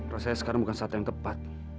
rasanya sekarang bukan satu yang tepat